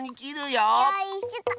よいしょと。